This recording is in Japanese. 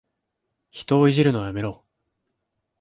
人をいじめるのはやめろ。